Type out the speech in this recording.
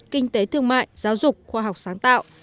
kinh tế thương mại giáo dục khoa học sáng tạo